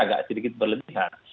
agak sedikit berlebihan